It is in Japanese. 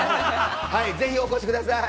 ぜひお越しください。